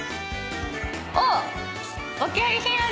おっ！